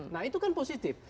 nah itu kan positif